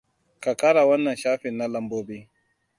Ka kara wannan shafin na lambobi.